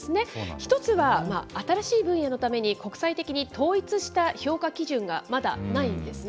１つは新しい分野のために国際的に統一した評価基準がまだないんですね。